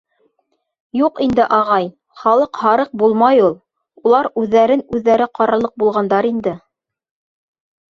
— Юҡ инде, ағай, халыҡ һарыҡ булмай ул. Улар үҙҙәрен-үҙҙәре ҡарарлыҡ булғандар инде.